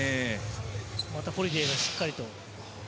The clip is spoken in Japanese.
またホリデイがしっかりと。